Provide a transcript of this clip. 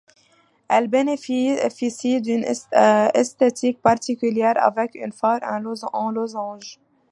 Elle bénéficie d'une esthétique particulière, avec un phare en losange.